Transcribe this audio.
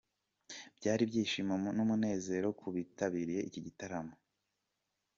Byari ibyishimo n'umunezero ku bitabiriye iki gitaramo.